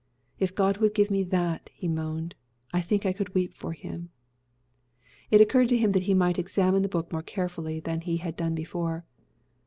"If God would give me that," he moaned, "I think I could weep for him." It occurred to him then that he might examine the book more carefully than he had done before.